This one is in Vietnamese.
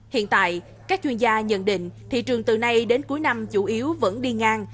hiện tại các chuyên gia nhận định thị trường từ nay đến cuối năm chủ yếu vẫn đi ngang